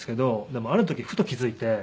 でもある時ふと気付いて。